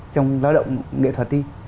trong lao động nghệ thuật đi